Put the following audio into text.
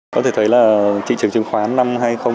có thể thấy là thị trường chứng khoán năm hai nghìn một mươi bảy